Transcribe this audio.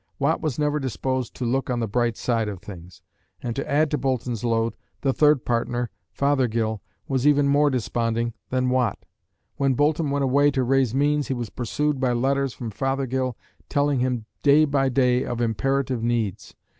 Watt was never disposed to look on the bright side of things, and to add to Boulton's load, the third partner, Fothergill, was even more desponding than Watt. When Boulton went away to raise means, he was pursued by letters from Fothergill telling him day by day of imperative needs.